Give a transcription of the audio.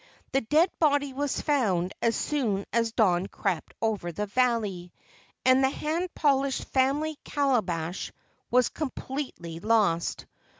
The dead body was found as soon as dawn crept over the valley, and the hand polished family calabash was completely lost.